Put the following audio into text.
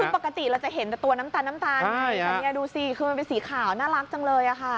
คือปกติเราจะเห็นแต่ตัวน้ำตาลน้ำตาลอันนี้ดูสิคือมันเป็นสีขาวน่ารักจังเลยค่ะ